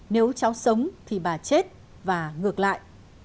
nếu cháu sống thì bà chết và ngược lại